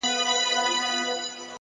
o نفیب ټول ژوند د غُلامانو په رکم نیسې،